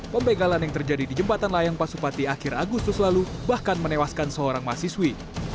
pembegalan yang terjadi di jembatan layang pasupati akhir agustus lalu bahkan menewaskan seorang mahasiswi